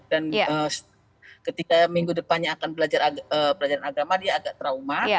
dan ketika minggu depannya akan belajar agama dia agak trauma